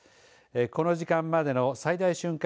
この時間までの最大瞬間